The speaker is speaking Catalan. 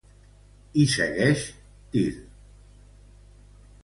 Hi segueix Tir.